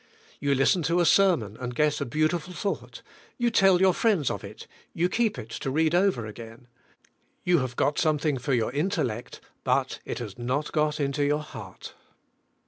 You listen to a sermon and get a beautiful thought, you tell your friends of it, you keep it to read over again. You have got something for your intellect but it has not got into 3^our heart.